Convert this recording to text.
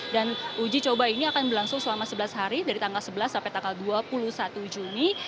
dan uji coba ini akan berlangsung selama sebelas hari dari tanggal sebelas sampai tanggal dua puluh satu juni